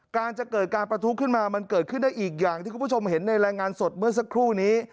การจะเกิดการประทุขึ้นมามันเกิดขึ้นได้อีกอย่างที่คุณผู้ชมเห็นในรายงานสดเมื่อสักครู่นี้